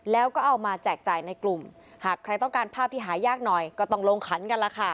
แล้วก็เอามาแจกจ่ายในกลุ่มหากใครต้องการภาพที่หายากหน่อยก็ต้องลงขันกันล่ะค่ะ